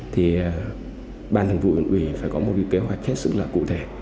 thì ban thành phục huyện uỷ phải có một kế hoạch rất cụ thể